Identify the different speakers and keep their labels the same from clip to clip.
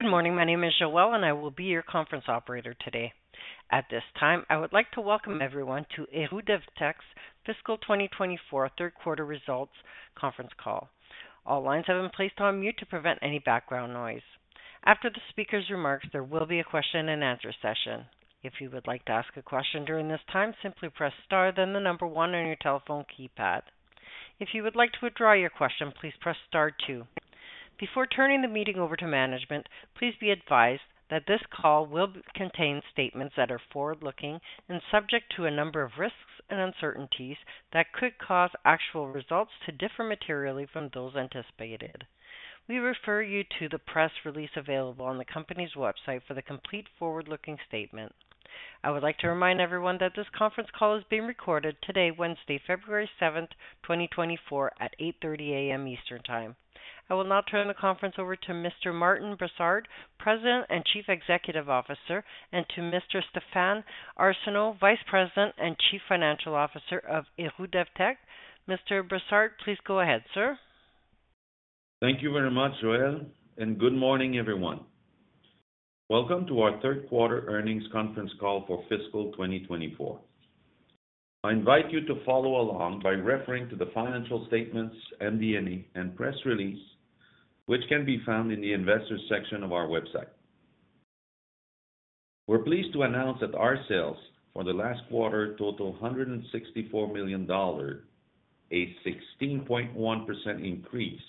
Speaker 1: Good morning. My name is Joelle, and I will be your conference operator today. At this time, I would like to welcome everyone to Héroux-Devtek's fiscal 2024 third quarter results conference call. All lines have been placed on mute to prevent any background noise. After the speaker's remarks, there will be a question and answer session. If you would like to ask a question during this time, simply press star, then the number one on your telephone keypad. If you would like to withdraw your question, please press star two. Before turning the meeting over to management, please be advised that this call will contain statements that are forward-looking and subject to a number of risks and uncertainties that could cause actual results to differ materially from those anticipated. We refer you to the press release available on the company's website for the complete forward-looking statement. I would like to remind everyone that this conference call is being recorded today, Wednesday, February 7, 2024, at 8:30 A.M. Eastern Time. I will now turn the conference over to Mr. Martin Brassard, President and Chief Executive Officer, and to Mr. Stéphane Arsenault, Vice President and Chief Financial Officer of Héroux-Devtek. Mr. Brassard, please go ahead, sir.
Speaker 2: Thank you very much, Joelle, and good morning, everyone. Welcome to our third quarter earnings conference call for fiscal 2024. I invite you to follow along by referring to the financial statements, MD&A, and press release, which can be found in the Investors section of our website. We're pleased to announce that our sales for the last quarter total 164 million dollars, a 16.1% increase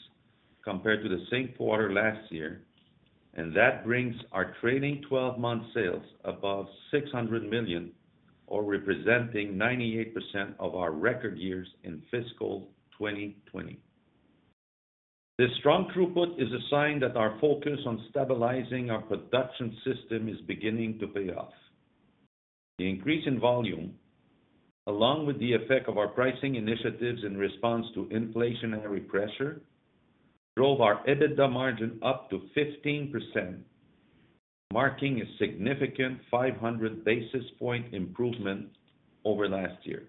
Speaker 2: compared to the same quarter last year, and that brings our trailing twelve-month sales above 600 million, or representing 98% of our record year in fiscal 2020. This strong throughput is a sign that our focus on stabilizing our production system is beginning to pay off. The increase in volume, along with the effect of our pricing initiatives in response to inflationary pressure, drove our EBITDA margin up to 15%, marking a significant 500 basis point improvement over last year.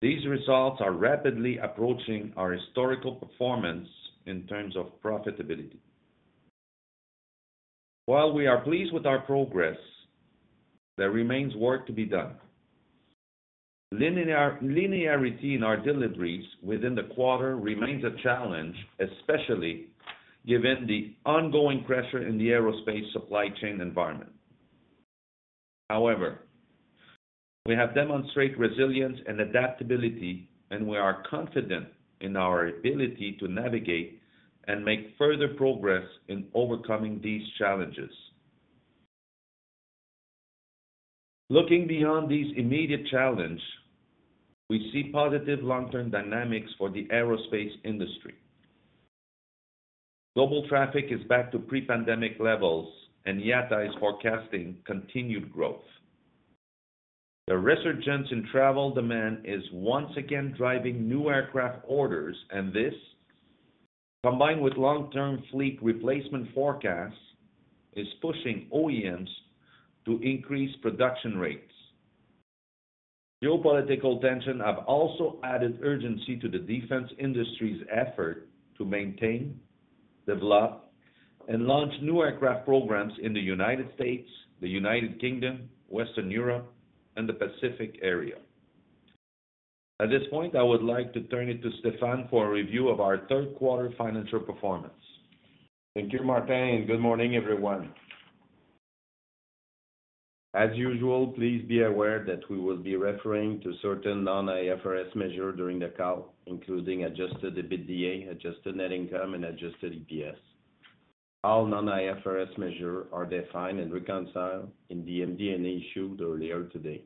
Speaker 2: These results are rapidly approaching our historical performance in terms of profitability. While we are pleased with our progress, there remains work to be done. Linearity in our deliveries within the quarter remains a challenge, especially given the ongoing pressure in the aerospace supply chain environment. However, we have demonstrated resilience and adaptability, and we are confident in our ability to navigate and make further progress in overcoming these challenges. Looking beyond these immediate challenge, we see positive long-term dynamics for the aerospace industry. Global traffic is back to pre-pandemic levels, and IATA is forecasting continued growth. The resurgence in travel demand is once again driving new aircraft orders, and this, combined with long-term fleet replacement forecasts, is pushing OEMs to increase production rates. Geopolitical tension has also added urgency to the defense industry's effort to maintain, develop, and launch new aircraft programs in the United States, the United Kingdom, Western Europe, and the Pacific area. At this point, I would like to turn it to Stéphane for a review of our third quarter financial performance.
Speaker 3: Thank you, Martin, and good morning, everyone. As usual, please be aware that we will be referring to certain non-IFRS measures during the call, including adjusted EBITDA, adjusted net income, and adjusted EPS. All non-IFRS measures are defined and reconciled in the MD&A issued earlier today.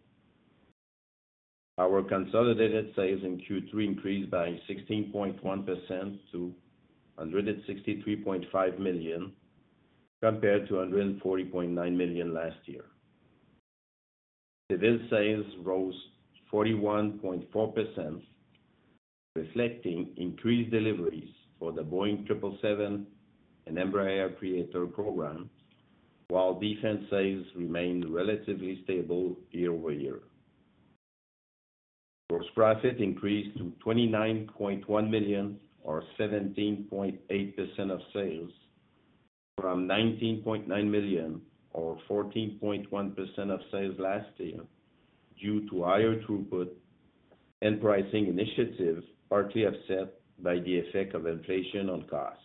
Speaker 3: Our consolidated sales in Q3 increased by 16.1% to 163.5 million, compared to 140.9 million last year. Civil sales rose 41.4%, reflecting increased deliveries for the Boeing 777 and Embraer Praetor program, while defense sales remained relatively stable year-over-year. Gross profit increased to 29.1 million, or 17.8% of sales, from 19.9 million, or 14.1% of sales last year, due to higher throughput and pricing initiatives, partly offset by the effect of inflation on costs.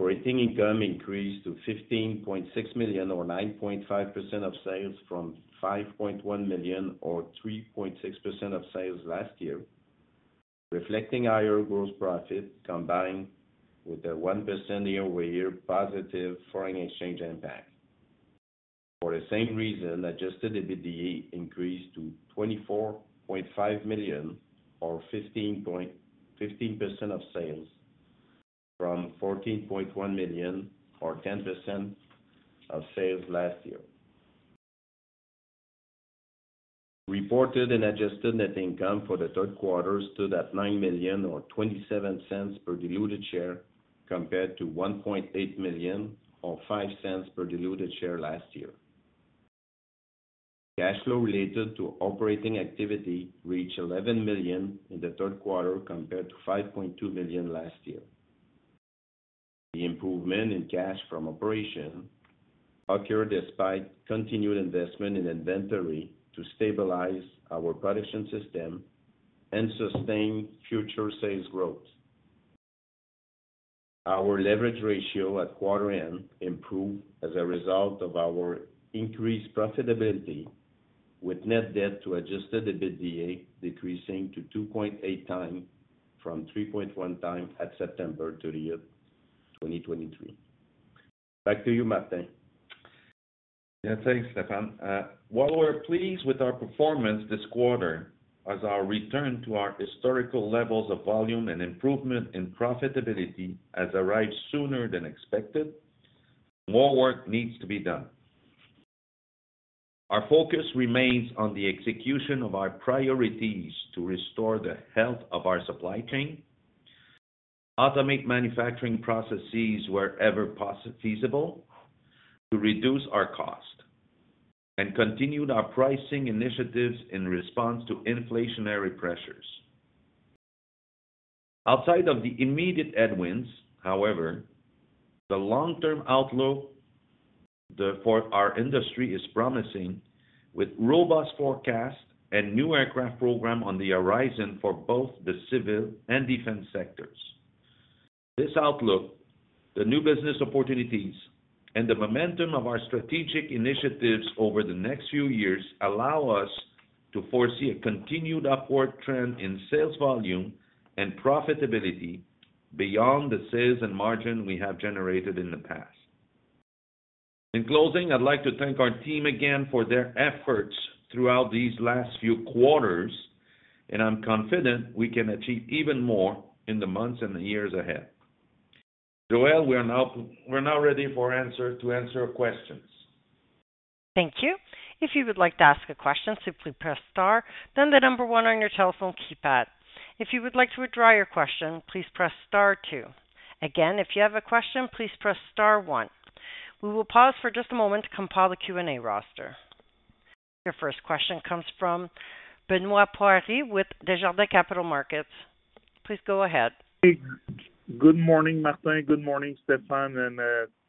Speaker 3: Operating income increased to 15.6 million, or 9.5% of sales, from 5.1 million, or 3.6% of sales last year, reflecting higher gross profit combined with a 1% year-over-year positive foreign exchange impact. For the same reason, adjusted EBITDA increased to 24.5 million, or 15% of sales, from 14.1 million, or 10% of sales last year. Reported and adjusted net income for the third quarter stood at 9 million or 0.27 per diluted share, compared to 1.8 million or 0.05 per diluted share last year. Cash flow related to operating activity reached 11 million in the third quarter, compared to 5.2 million last year. The improvement in cash from operation occurred despite continued investment in inventory to stabilize our production system and sustain future sales growth. Our leverage ratio at quarter end improved as a result of our increased profitability, with net debt to adjusted EBITDA decreasing to 2.8 times from 3.1 times at September 30th, 2023. Back to you, Martin.
Speaker 2: Yeah, thanks, Stéphane. While we're pleased with our performance this quarter, as our return to our historical levels of volume and improvement in profitability has arrived sooner than expected, more work needs to be done. Our focus remains on the execution of our priorities to restore the health of our supply chain, automate manufacturing processes wherever feasible, to reduce our cost, and continue our pricing initiatives in response to inflationary pressures. Outside of the immediate headwinds, however, the long-term outlook for our industry is promising, with robust forecast and new aircraft program on the horizon for both the civil and defense sectors. This outlook, the new business opportunities and the momentum of our strategic initiatives over the next few years allow us to foresee a continued upward trend in sales volume and profitability beyond the sales and margin we have generated in the past. In closing, I'd like to thank our team again for their efforts throughout these last few quarters, and I'm confident we can achieve even more in the months and the years ahead. Joelle, we're now ready to answer questions.
Speaker 1: Thank you. If you would like to ask a question, simply press star, then the number one on your telephone keypad. If you would like to withdraw your question, please press star two. Again, if you have a question, please press star one. We will pause for just a moment to compile the Q&A roster. Your first question comes from Benoit Poirier with Desjardins Capital Markets. Please go ahead.
Speaker 4: Good morning, Martin. Good morning, Stéphane,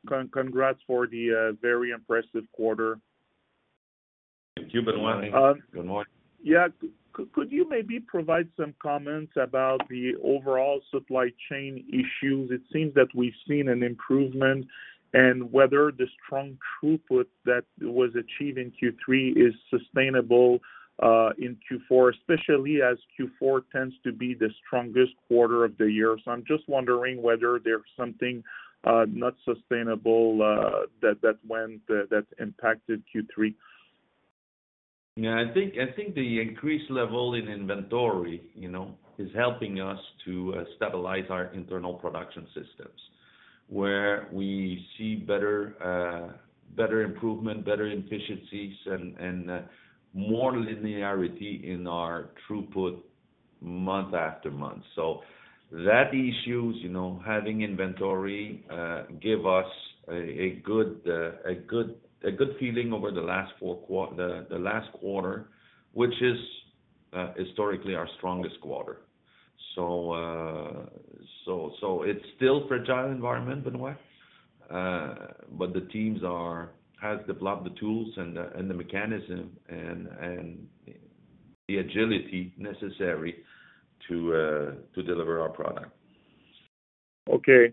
Speaker 4: and congrats for the very impressive quarter.
Speaker 2: Thank you, Benoit. Good morning.
Speaker 4: Yeah. Could you maybe provide some comments about the overall supply chain issues? It seems that we've seen an improvement, and whether the strong throughput that was achieved in Q3 is sustainable in Q4, especially as Q4 tends to be the strongest quarter of the year. So I'm just wondering whether there's something not sustainable that impacted Q3.
Speaker 2: Yeah, I think the increased level in inventory, you know, is helping us to stabilize our internal production systems, where we see better improvement, better efficiencies and more linearity in our throughput month after month. So that issues, you know, having inventory give us a good feeling over the last quarter, which is historically our strongest quarter. So it's still fragile environment, Benoit, but the teams are has developed the tools and the mechanism and the agility necessary to deliver our product.
Speaker 4: Okay.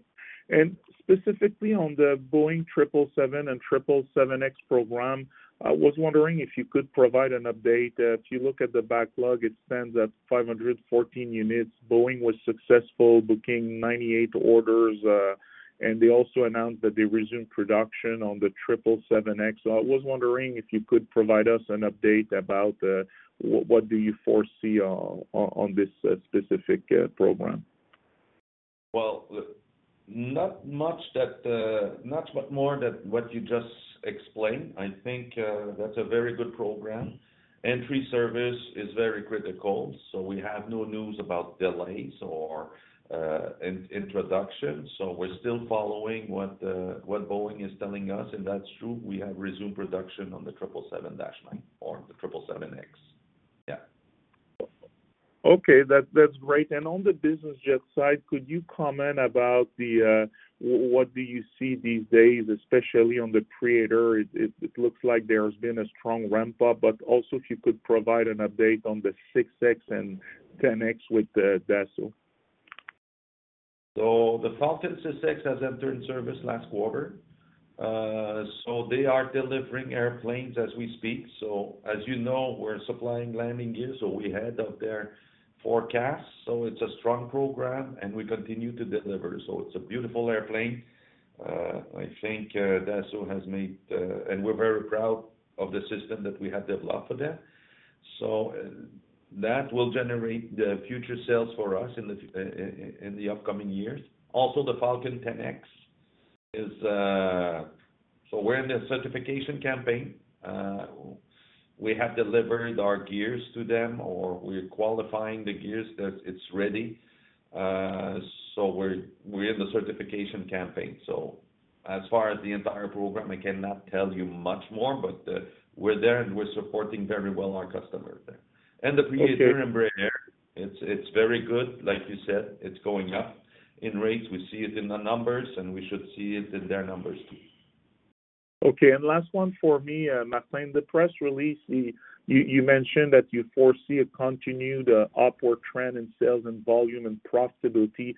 Speaker 4: And specifically on the Boeing 777 and 777X program, I was wondering if you could provide an update. If you look at the backlog, it stands at 514 units. Boeing was successful, booking 98 orders, and they also announced that they resumed production on the 777X. So I was wondering if you could provide us an update about what, what do you foresee on, on, on this specific program?
Speaker 2: Well, not much that, not much more than what you just explained. I think, that's a very good program. Entry service is very critical, so we have no news about delays or, in- introduction. So we're still following what, what Boeing is telling us, and that's true. We have resumed production on the 777-9 or the 777X. Yeah.
Speaker 4: Okay, that's great. And on the business jet side, could you comment about the, what do you see these days, especially on the Praetor? It looks like there has been a strong ramp up, but also if you could provide an update on the 6X and 10X with the Dassault.
Speaker 2: The Falcon 6X has entered service last quarter. They are delivering airplanes as we speak. As you know, we're supplying landing gear, so we're ahead of their forecast. It's a strong program, and we continue to deliver. It's a beautiful airplane. I think Dassault has made... And we're very proud of the system that we have developed for them. That will generate the future sales for us in the upcoming years. Also, the Falcon 10X is, so we're in the certification campaign. We have delivered our gears to them, or we're qualifying the gears that it's ready. We're in the certification campaign. As far as the entire program, I cannot tell you much more, but we're there, and we're supporting very well our customer there.
Speaker 4: Okay.
Speaker 2: The Praetor brand, it's, it's very good. Like you said, it's going up in rates. We see it in the numbers, and we should see it in their numbers, too.
Speaker 4: Okay, and last one for me, Martin. The press release, you mentioned that you foresee a continued upward trend in sales and volume and profitability,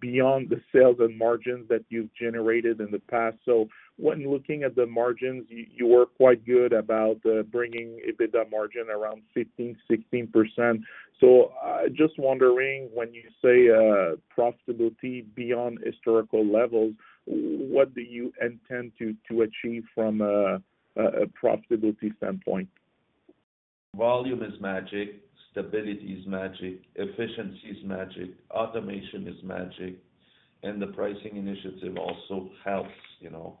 Speaker 4: beyond the sales and margins that you've generated in the past. So when looking at the margins, you were quite good about bringing EBITDA margin around 15%, 16%. So, just wondering, when you say profitability beyond historical levels, what do you intend to achieve from a profitability standpoint?
Speaker 2: Volume is magic. Stability is magic. Efficiency is magic. Automation is magic, and the pricing initiative also helps, you know,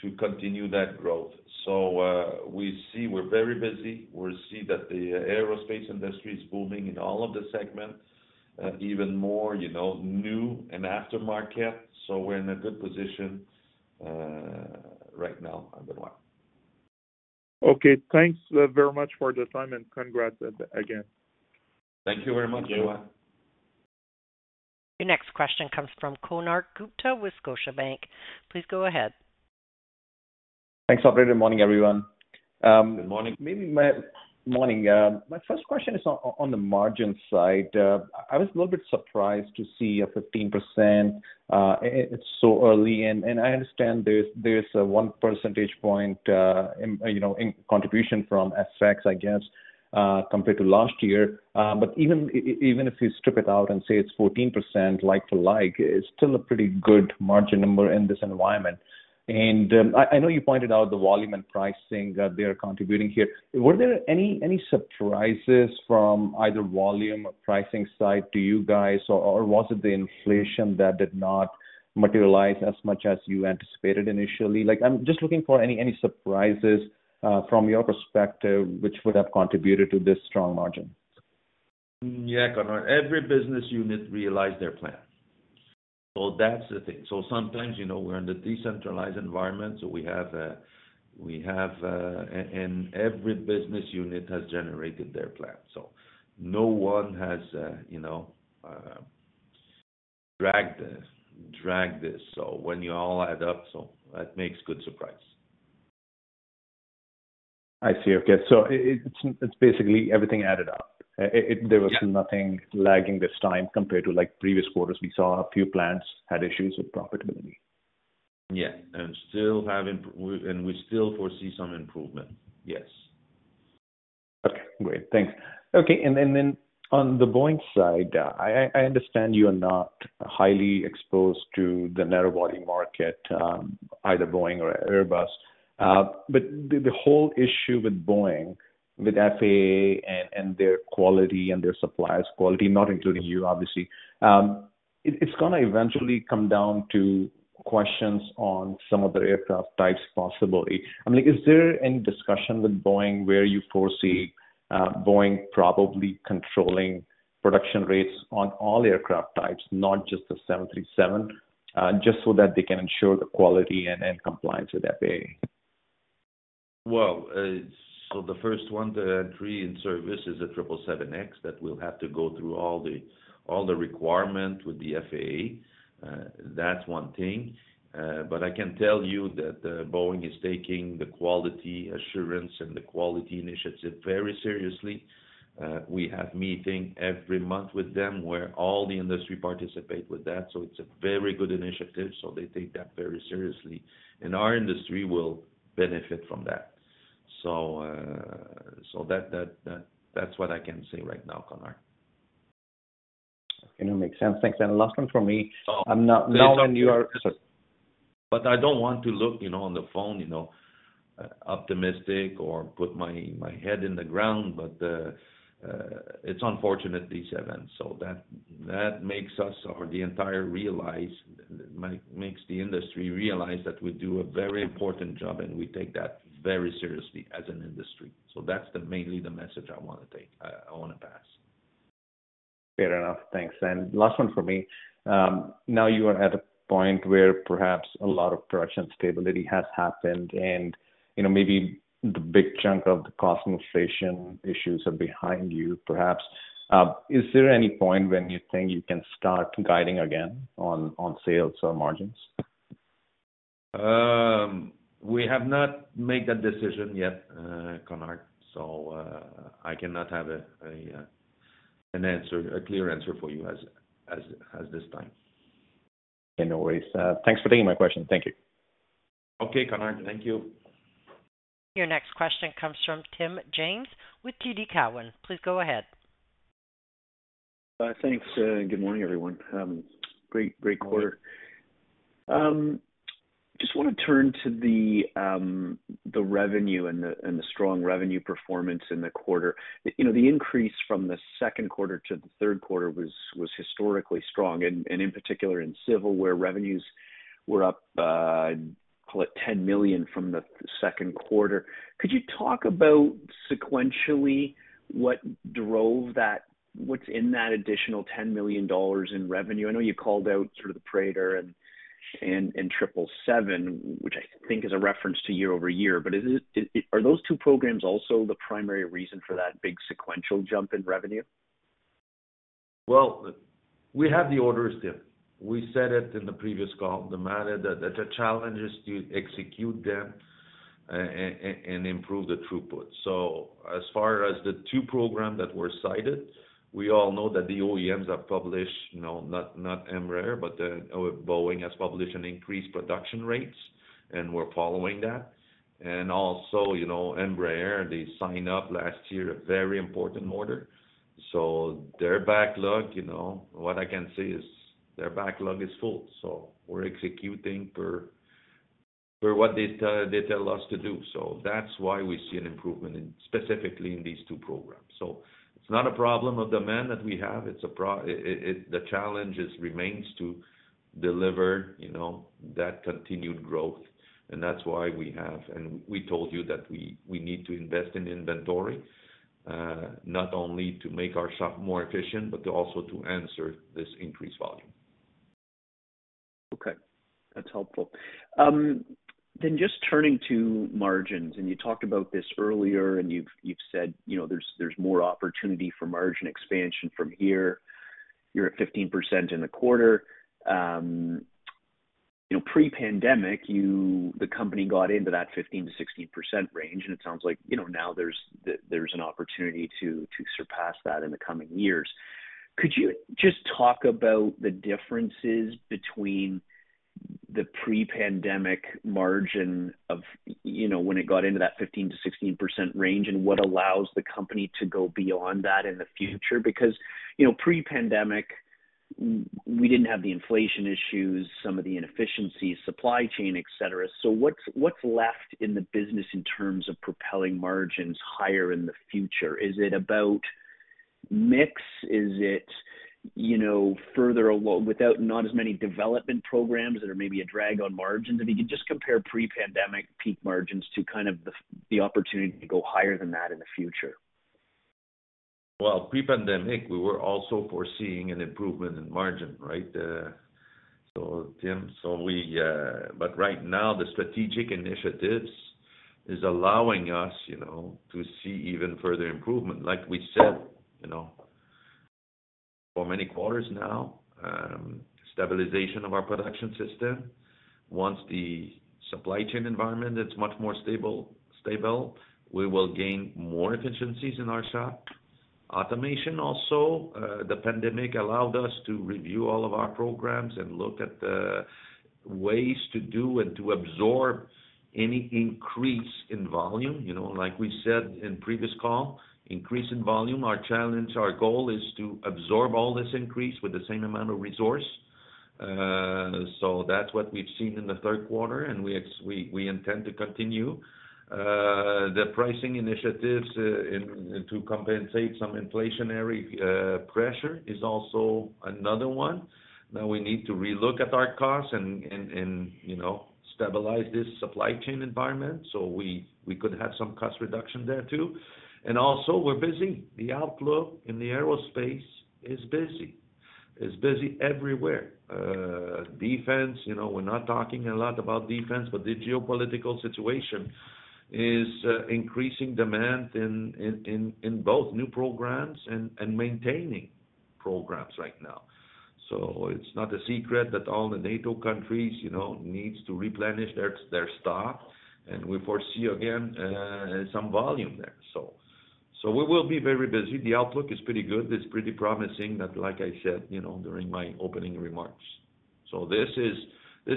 Speaker 2: to continue that growth. So, we see we're very busy. We see that the aerospace industry is booming in all of the segments, even more, you know, new and aftermarket. So we're in a good position, right now, Benoit.
Speaker 4: Okay, thanks, very much for the time, and congrats again.
Speaker 2: Thank you very much, Benoit.
Speaker 1: Your next question comes from Konark Gupta with Scotiabank. Please go ahead.
Speaker 5: Thanks, operator. Good morning, everyone.
Speaker 2: Good morning.
Speaker 5: Morning. My first question is on the margin side. I was a little bit surprised to see a 15%. It's so early, and I understand there's a one percentage point in contribution from FX, I guess, compared to last year. But even if you strip it out and say it's 14% like to like, it's still a pretty good margin number in this environment. And I know you pointed out the volume and pricing that they are contributing here. Were there any surprises from either volume or pricing side to you guys? Or was it the inflation that did not materialize as much as you anticipated initially? Like, I'm just looking for any surprises from your perspective, which would have contributed to this strong margin.
Speaker 2: Yeah, Konark, every business unit realized their plan. So that's the thing. So sometimes, you know, we're in the decentralized environment, so we have a... And every business unit has generated their plan. So no one has, you know, dragged this. So when you all add up, so that makes good surprise.
Speaker 5: I see. Okay, so it's basically everything added up.
Speaker 2: Yeah.
Speaker 5: There was nothing lagging this time compared to, like, previous quarters. We saw a few plants had issues with profitability.
Speaker 2: Yeah, and we still foresee some improvement. Yes.
Speaker 5: Okay, great. Thanks. Okay, and then on the Boeing side, I understand you are not highly exposed to the narrow-body market, either Boeing or Airbus. But the whole issue with Boeing, with FAA and their quality, and their suppliers' quality, not including you, obviously, it's gonna eventually come down to questions on some of the aircraft types, possibly. I mean, is there any discussion with Boeing where you foresee, Boeing probably controlling production rates on all aircraft types, not just the 737? Just so that they can ensure the quality and compliance with FAA.
Speaker 2: Well, so the first one to entry in service is a 777X. That will have to go through all the requirements with the FAA. That's one thing, but I can tell you that Boeing is taking the quality assurance and the quality initiative very seriously. We have meeting every month with them, where all the industry participate with that. So it's a very good initiative, so they take that very seriously, and our industry will benefit from that. So, that's what I can say right now, Konark.
Speaker 5: You know, makes sense. Thanks. Last one for me.
Speaker 2: So-
Speaker 5: I'm not now when you are-
Speaker 2: But I don't want to look, you know, on the phone, you know, optimistic or put my head in the ground, but it's unfortunate, these events. So that makes the industry realize that we do a very important job, and we take that very seriously as an industry. So that's mainly the message I wanna take, I wanna pass.
Speaker 5: Fair enough. Thanks, and last one for me. Now you are at a point where perhaps a lot of production stability has happened, and, you know, maybe the big chunk of the cost inflation issues are behind you, perhaps. Is there any point when you think you can start guiding again on, on sales or margins?
Speaker 2: We have not made that decision yet, Konark, so I cannot have an answer, a clear answer for you at this time.
Speaker 5: Okay, no worries. Thanks for taking my question. Thank you.
Speaker 2: Okay, Konark. Thank you.
Speaker 1: Your next question comes from Tim James with TD Cowen. Please go ahead.
Speaker 6: Thanks, good morning, everyone. Great, great quarter. Just wanna turn to the, the revenue and the, and the strong revenue performance in the quarter. You know, the increase from the second quarter to the third quarter was historically strong, and in particular in civil, where revenues were up, call it $10 million from the second quarter. Could you talk about sequentially, what drove that? What's in that additional $10 million in revenue? I know you called out sort of the Praetor and 777, which I think is a reference to year-over-year. But is it, are those two programs also the primary reason for that big sequential jump in revenue?
Speaker 2: Well, we have the orders, Tim. We said it in the previous call, the matter that the challenge is to execute them and improve the throughput. So as far as the two program that were cited, we all know that the OEMs have published, you know, not Embraer, but Boeing has published an increased production rates, and we're following that. And also, you know, Embraer, they sign up last year, a very important order. So their backlog, you know, what I can say is their backlog is full, so we're executing per what they tell us to do. So that's why we see an improvement in specifically in these two programs. So it's not a problem of demand that we have, it the challenge is remains to deliver, you know, that continued growth. That's why we have, and we told you that we need to invest in inventory, not only to make our shop more efficient, but also to answer this increased volume.
Speaker 6: Okay, that's helpful. Then just turning to margins, and you talked about this earlier, and you've, you've said, you know, there's, there's more opportunity for margin expansion from here. You're at 15% in the quarter. You know, pre-pandemic, you, the company got into that 15%-16% range, and it sounds like, you know, now there's the, there's an opportunity to, to surpass that in the coming years. Could you just talk about the differences between the pre-pandemic margin of, you know, when it got into that 15%-16% range, and what allows the company to go beyond that in the future? Because, you know, pre-pandemic, we didn't have the inflation issues, some of the inefficiencies, supply chain, et cetera. So what's, what's left in the business in terms of propelling margins higher in the future? Is it about mix? Is it, you know, further along without not as many development programs that are maybe a drag on margins? If you could just compare pre-pandemic peak margins to kind of the, the opportunity to go higher than that in the future.
Speaker 2: Well, pre-pandemic, we were also foreseeing an improvement in margin, right? So Tim, so we, but right now the strategic initiatives is allowing us, you know, to see even further improvement. Like we said, you know, for many quarters now, stabilization of our production system. Once the supply chain environment is much more stable, stable, we will gain more efficiencies in our shop. Automation also, the pandemic allowed us to review all of our programs and look at the ways to do and to absorb any increase in volume. You know, like we said in previous call, increase in volume, our challenge, our goal is to absorb all this increase with the same amount of resource. So that's what we've seen in the third quarter, and we intend to continue. The pricing initiatives in to compensate some inflationary pressure is also another one. Now we need to relook at our costs and you know stabilize this supply chain environment so we could have some cost reduction there, too. And also, we're busy. The outlook in the aerospace is busy. It's busy everywhere. Defense, you know, we're not talking a lot about defense, but the geopolitical situation is increasing demand in both new programs and maintaining programs right now. So it's not a secret that all the NATO countries, you know, needs to replenish their stock, and we foresee again some volume there. So we will be very busy. The outlook is pretty good. It's pretty promising that, like I said, you know, during my opening remarks. This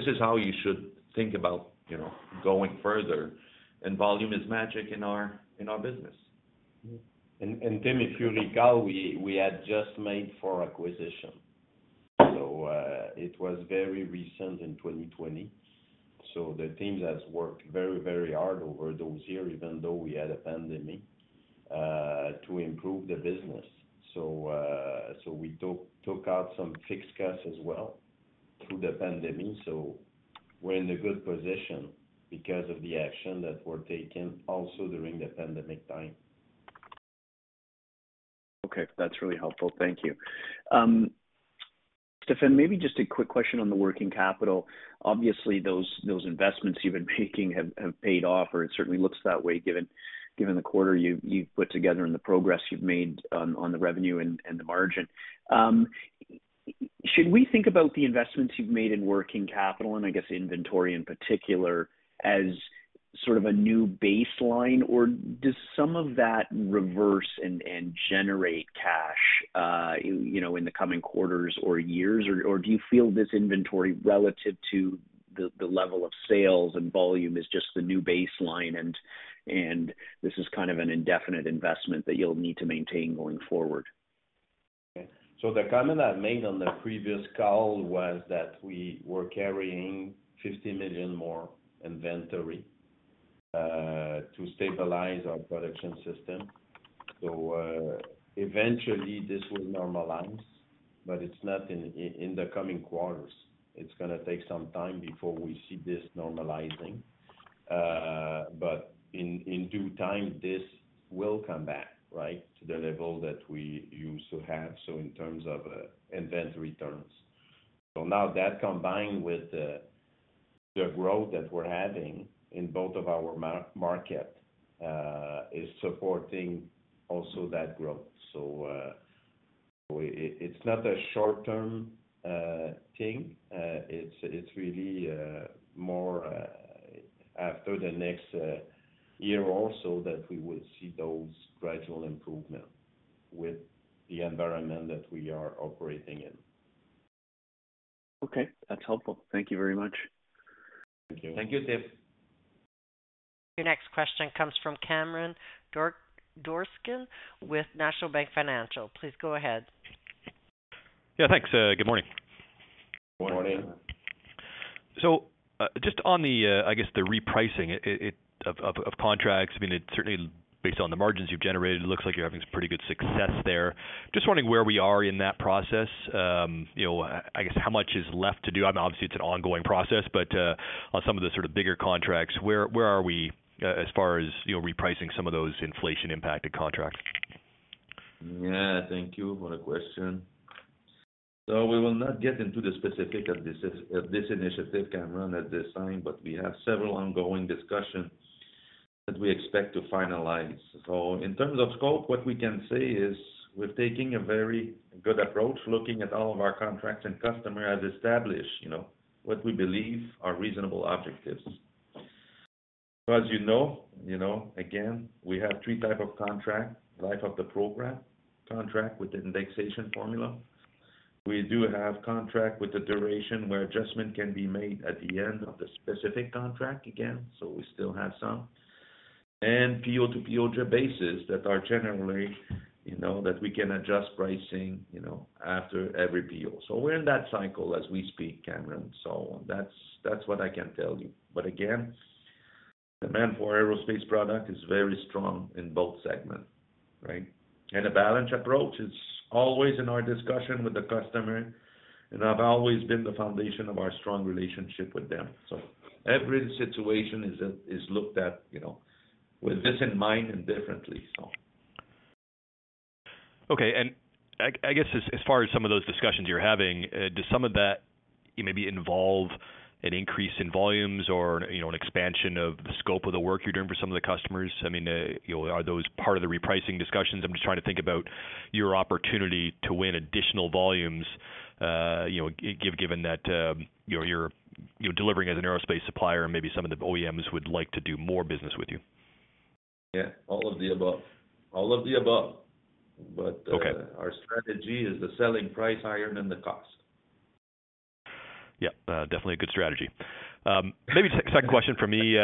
Speaker 2: is how you should think about, you know, going further. Volume is magic in our business.
Speaker 3: And Tim, if you recall, we had just made four acquisition. So it was very recent in 2020. So the team has worked very, very hard over those years, even though we had a pandemic, to improve the business. So we took out some fixed costs as well through the pandemic. So we're in a good position because of the action that were taken also during the pandemic time.
Speaker 6: Okay, that's really helpful. Thank you. Stéphane, maybe just a quick question on the working capital. Obviously, those investments you've been making have paid off, or it certainly looks that way given the quarter you've put together and the progress you've made on the revenue and the margin. Should we think about the investments you've made in working capital, and I guess inventory in particular, as sort of a new baseline, or does some of that reverse and generate cash, you know, in the coming quarters or years? Or do you feel this inventory, relative to the level of sales and volume, is just the new baseline and this is kind of an indefinite investment that you'll need to maintain going forward?
Speaker 3: The comment I made on the previous call was that we were carrying 50 million more inventory to stabilize our production system. So, eventually this will normalize, but it's not in the coming quarters. It's gonna take some time before we see this normalizing. But in due time, this will come back, right? To the level that we used to have. So in terms of inventory terms. So now that combined with the growth that we're having in both of our market is supporting also that growth. So, it's not a short-term thing. It's really more after the next year or so that we will see those gradual improvement with the environment that we are operating in.
Speaker 6: Okay, that's helpful. Thank you very much.
Speaker 2: Thank you.
Speaker 3: Thank you, Steve.
Speaker 1: Your next question comes from Cameron Doerksen with National Bank Financial. Please go ahead.
Speaker 7: Yeah, thanks. Good morning.
Speaker 2: Good morning.
Speaker 7: So, just on the, I guess the repricing of contracts, I mean, it certainly based on the margins you've generated, it looks like you're having some pretty good success there. Just wondering where we are in that process. You know, I guess, how much is left to do? I mean, obviously, it's an ongoing process, but on some of the sort of bigger contracts, where are we as far as, you know, repricing some of those inflation-impacted contracts?
Speaker 2: Yeah, thank you for the question. So we will not get into the specific of this, of this initiative, Cameron, at this time, but we have several ongoing discussions that we expect to finalize. So in terms of scope, what we can say is we're taking a very good approach, looking at all of our contracts and customer has established, you know, what we believe are reasonable objectives. So as you know, you know, again, we have three type of contract: life of the program contract with the indexation formula. We do have contract with the duration, where adjustment can be made at the end of the specific contract again, so we still have some. And PO-to-PO basis that are generally, you know, that we can adjust pricing, you know, after every PO. So we're in that cycle as we speak, Cameron, so that's, that's what I can tell you. But again, demand for aerospace product is very strong in both segments, right? And a balanced approach is always in our discussion with the customer and have always been the foundation of our strong relationship with them. So every situation is looked at, you know, with this in mind and differently, so.
Speaker 7: Okay. And I guess as far as some of those discussions you're having, does some of that maybe involve an increase in volumes or, you know, an expansion of the scope of the work you're doing for some of the customers? I mean, you know, are those part of the repricing discussions? I'm just trying to think about your opportunity to win additional volumes, you know, given that you're delivering as an aerospace supplier, and maybe some of the OEMs would like to do more business with you.
Speaker 2: Yeah, all of the above. All of the above.
Speaker 7: Okay.
Speaker 2: Our strategy is the selling price higher than the cost.
Speaker 7: Yeah, definitely a good strategy. Maybe second question for me,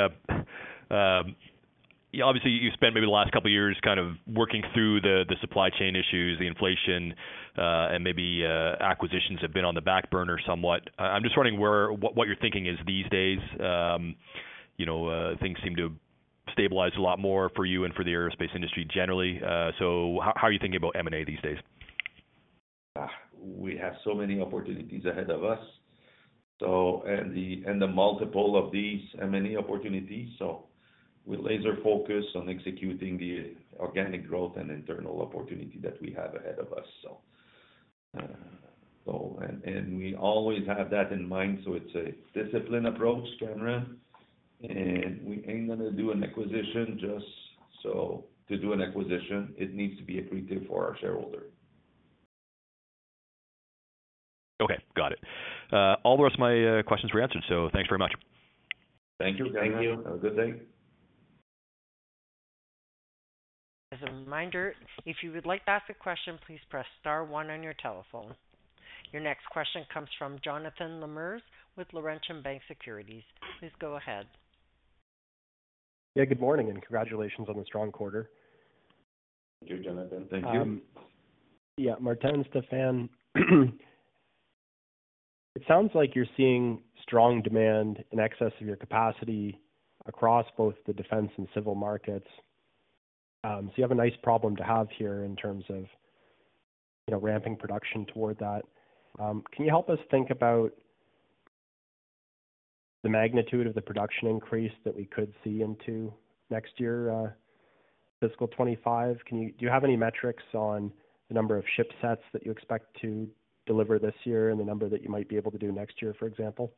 Speaker 7: obviously, you spent maybe the last couple of years kind of working through the, the supply chain issues, the inflation, and maybe, acquisitions have been on the back burner somewhat. I'm just wondering where, what, what your thinking is these days, you know, things seem to stabilize a lot more for you and for the aerospace industry generally. So how, how are you thinking about M&A these days?
Speaker 2: We have so many opportunities ahead of us, and the multiple of these M&A opportunities, so we're laser focused on executing the organic growth and internal opportunity that we have ahead of us. We always have that in mind, so it's a disciplined approach, Cameron, and we ain't gonna do an acquisition just so to do an acquisition. It needs to be accretive for our shareholder.
Speaker 7: Okay, got it. All the rest of my questions were answered, so thanks very much.
Speaker 2: Thank you. Thank you. Have a good day.
Speaker 1: As a reminder, if you would like to ask a question, please press star one on your telephone. Your next question comes from Jonathan Lamers with Laurentian Bank Securities. Please go ahead.
Speaker 8: Yeah, good morning and congratulations on the strong quarter.
Speaker 2: Thank you, Jonathan.
Speaker 3: Thank you.
Speaker 8: Yeah. Martin, Stéphane, it sounds like you're seeing strong demand in excess of your capacity across both the defense and civil markets. So you have a nice problem to have here in terms of, you know, ramping production toward that. Can you help us think about the magnitude of the production increase that we could see into next year, fiscal 2025? Can you do you have any metrics on the number of shipsets that you expect to deliver this year and the number that you might be able to do next year, for example?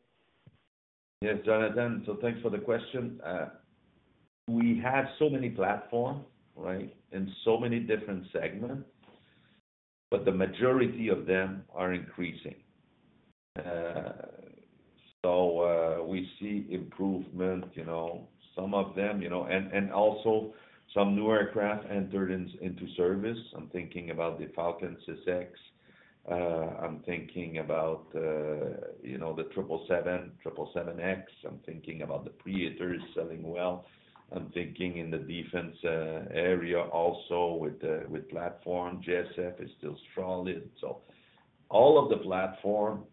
Speaker 2: Yes, Jonathan. So thanks for the question. We have so many platforms, right, and so many different segments, but the majority of them are increasing. So, we see improvement, you know, some of them, you know, and also some newer aircraft entered into service. I'm thinking about the Falcon 6X. I'm thinking about the 777, 777X. I'm thinking about the Praetor is selling well. I'm thinking in the defense area also with the platform, JSF is still strong. So all of the platform,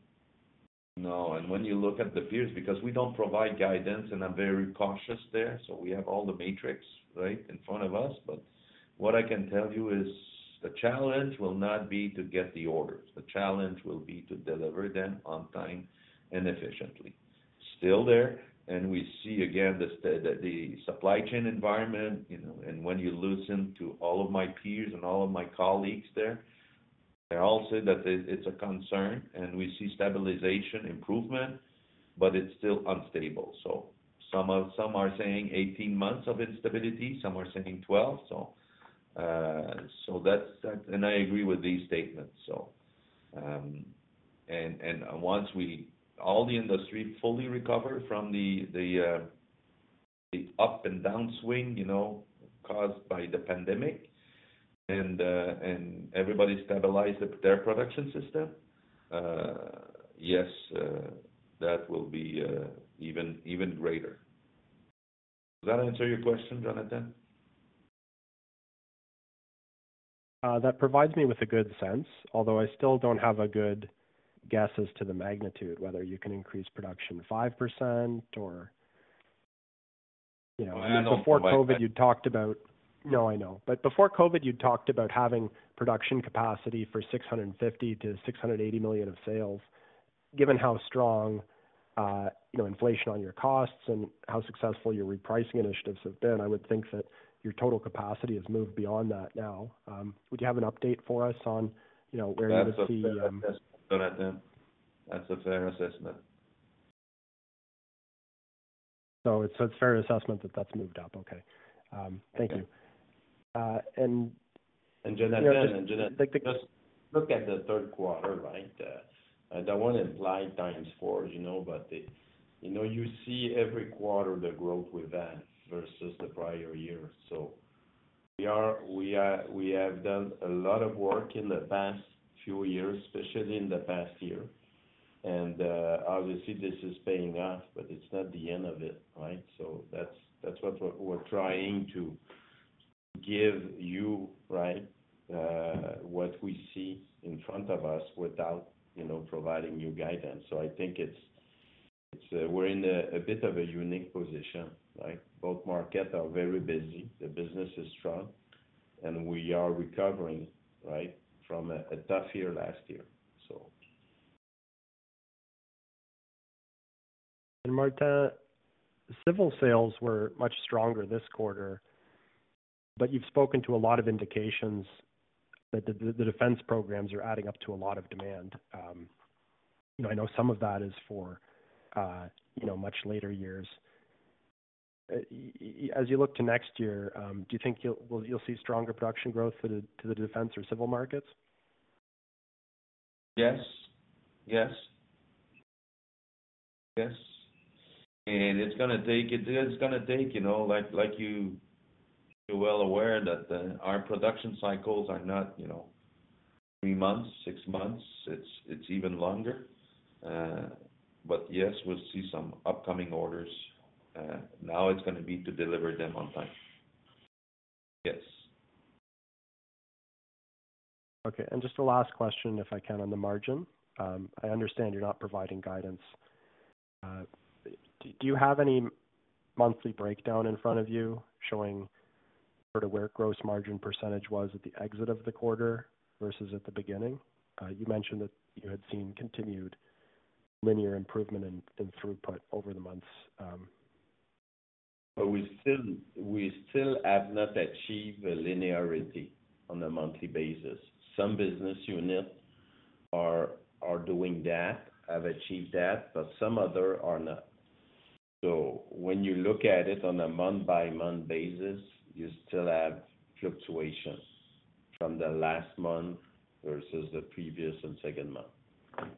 Speaker 2: no, and when you look at the peers, because we don't provide guidance, and I'm very cautious there, so we have all the metrics, right, in front of us. But what I can tell you is the challenge will not be to get the orders. The challenge will be to deliver them on time and efficiently. Still there, and we see again, the supply chain environment, you know, and when you listen to all of my peers and all of my colleagues there, they all say that it, it's a concern, and we see stabilization improvement, but it's still unstable. So some are, some are saying 18 months of instability, some are saying 12. So, so that's, that's, and I agree with these statements, so. Once all the industry fully recover from the up and down swing, you know, caused by the pandemic and everybody stabilize their production system, yes, that will be even greater. Does that answer your question, Jonathan?
Speaker 8: That provides me with a good sense, although I still don't have a good guess as to the magnitude, whether you can increase production 5% or, you know-
Speaker 3: I don't provide that.
Speaker 8: Before COVID, you talked about... No, I know. But before COVID, you talked about having production capacity for 650 million-680 million of sales. Given how strong, you know, inflation on your costs and how successful your repricing initiatives have been, I would think that your total capacity has moved beyond that now. Would you have an update for us on, you know, where you see-
Speaker 2: That's a fair assessment, Jonathan. That's a fair assessment.
Speaker 8: So it's a fair assessment that that's moved up. Okay. Thank you. And-
Speaker 3: And, Jonathan, Jonathan, just look at the third quarter, right? I don't want to imply times four, you know, but, you know, you see every quarter the growth we've had versus the prior year. So we are, we have done a lot of work in the past few years, especially in the past year. And, obviously, this is paying off, but it's not the end of it, right? So that's what we're trying to give you, right, what we see in front of us without, you know, providing you guidance. So I think it's, we're in a bit of a unique position, right? Both markets are very busy, the business is strong, and we are recovering, right, from a tough year last year, so.
Speaker 8: Martin, civil sales were much stronger this quarter, but you've spoken to a lot of indications that the defense programs are adding up to a lot of demand. You know, I know some of that is for, you know, much later years. As you look to next year, do you think you'll, well, you'll see stronger production growth to the defense or civil markets?
Speaker 2: Yes. Yes. Yes. And it's gonna take, you know, like you, you're well aware, that our production cycles are not, you know, 3 months, 6 months, it's even longer. But yes, we'll see some upcoming orders. Now it's gonna be to deliver them on time. Yes.
Speaker 8: Okay, and just the last question, if I can, on the margin. I understand you're not providing guidance. Do you have any monthly breakdown in front of you showing sort of where gross margin percentage was at the exit of the quarter versus at the beginning? You mentioned that you had seen continued linear improvement in throughput over the months.
Speaker 3: But we still have not achieved a linearity on a monthly basis. Some business units are doing that, have achieved that, but some other are not. So when you look at it on a month-by-month basis, you still have fluctuations from the last month versus the previous and second month.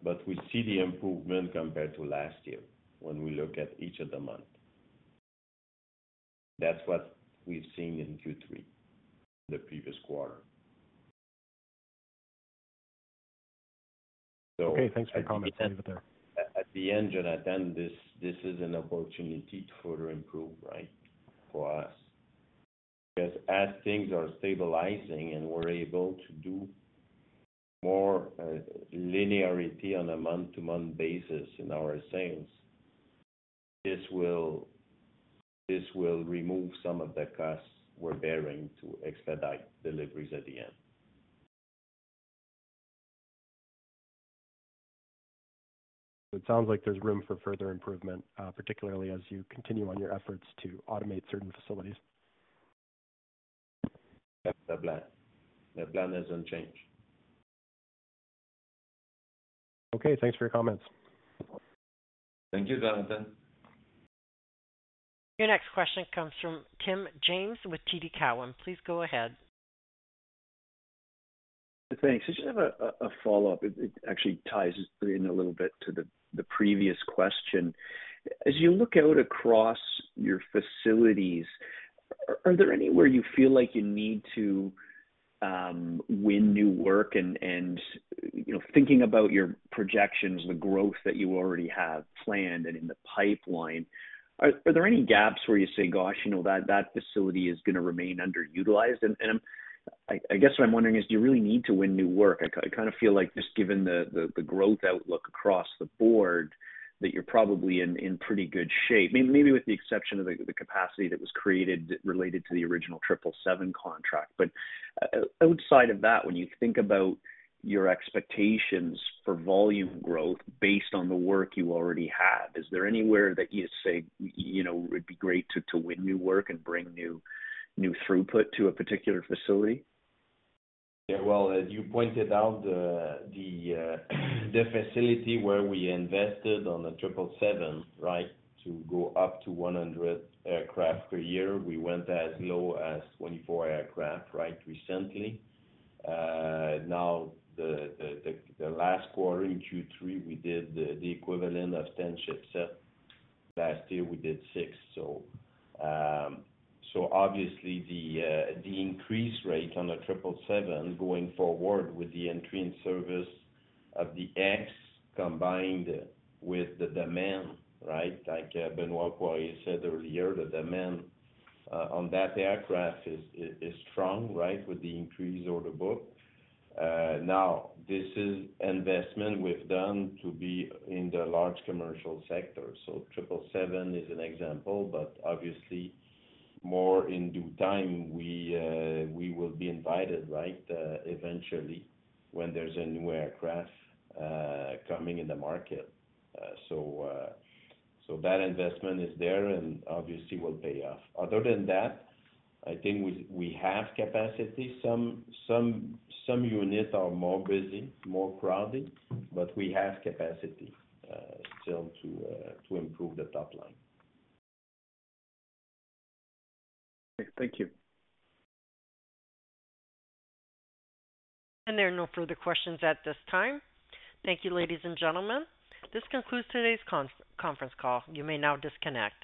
Speaker 3: But we see the improvement compared to last year when we look at each of the month. That's what we've seen in Q3, the previous quarter. So-
Speaker 8: Okay, thanks for your comments. I'll leave it there.
Speaker 3: At the end, Jonathan, this, this is an opportunity to further improve, right, for us. Because as things are stabilizing and we're able to do more, linearity on a month-to-month basis in our sales, this will, this will remove some of the costs we're bearing to expedite deliveries at the end.
Speaker 8: So it sounds like there's room for further improvement, particularly as you continue on your efforts to automate certain facilities.
Speaker 3: That's the plan. The plan doesn't change.
Speaker 8: Okay, thanks for your comments.
Speaker 3: Thank you, Jonathan.
Speaker 1: Your next question comes from Tim James with TD Cowen. Please go ahead.
Speaker 6: Thanks. I just have a follow-up. It actually ties in a little bit to the previous question. As you look out across your facilities, are there anywhere you feel like you need to win new work? And, you know, thinking about your projections, the growth that you already have planned and in the pipeline, are there any gaps where you say, "Gosh, you know, that facility is gonna remain underutilized?" And, I guess what I'm wondering is, do you really need to win new work? I kind of feel like just given the growth outlook across the board that you're probably in pretty good shape. Maybe with the exception of the capacity that was created related to the original 777 contract. Outside of that, when you think about your expectations for volume growth based on the work you already have, is there anywhere that you say, you know, it would be great to win new work and bring new throughput to a particular facility?
Speaker 3: Yeah, well, as you pointed out, the facility where we invested on the 777, right? To go up to 100 aircraft per year, we went as low as 24 aircraft, right, recently. Now, the last quarter in Q3, we did the equivalent of 10 shipsets. Last year, we did six. So, obviously the increase rate on the 777 going forward with the entry and service of the X, combined with the demand, right? Like, Benoit Poirier said earlier, the demand on that aircraft is strong, right, with the increase order book. Now, this is investment we've done to be in the large commercial sector. 777 is an example, but obviously, more in due time, we will be invited, right, eventually, when there's a new aircraft coming in the market. So that investment is there and obviously will pay off. Other than that, I think we have capacity. Some units are more busy, more crowded, but we have capacity still to improve the top line.
Speaker 6: Thank you.
Speaker 1: There are no further questions at this time. Thank you, ladies and gentlemen. This concludes today's conference call. You may now disconnect.